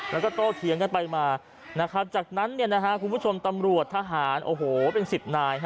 แล้วก็โตเทียงกันไปมาจากนั้นคุณผู้ชมตำรวจทหารเป็น๑๐นาย